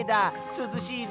すずしいぞ。